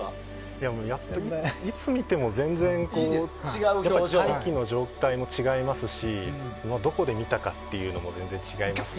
いや、いつ見ても全然大気の状態も違いますしどこで見たかっていうのも全然違いますし。